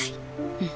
うん。